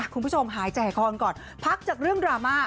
คุณผู้ชมหายใจคอกันก่อนพักจากเรื่องดราม่า